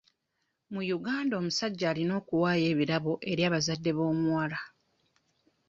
Mu Uganda omusajja alina okuwayo ebirabo eri abazadde b'omuwala.